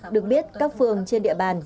được biết các phường trên địa bàn